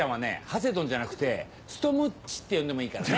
ハセドンじゃなくてツトムッチって呼んでもいいからね。